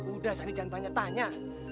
udah san jangan banyak tanya